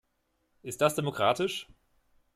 Ist das demokratisch?"